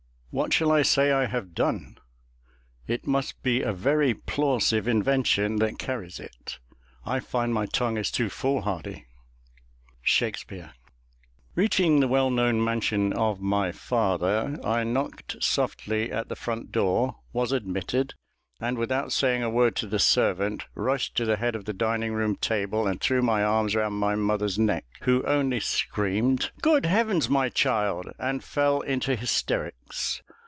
What shall I say I have done? It must be a very plausive invention that carries it. I find my tongue is too foolhardy. SHAKESPEARE. Reaching the well known mansion of my father, I knocked softly at the front door, was admitted, and, without saying a word to the servant, rushed to the head of the dining room table, and threw my arms round my mother's neck, who only screamed, "Good heavens, my child!" and fell into hysterics.